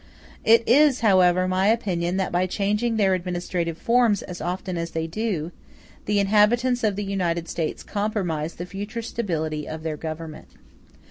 It is, however, my opinion that by changing their administrative forms as often as they do, the inhabitants of the United States compromise the future stability of their government.